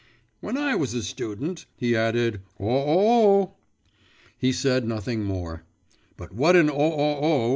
'When I was a student,' he added, 'o oh oh!' He said nothing more. But what an o oh oh!